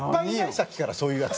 さっきからそういうヤツ。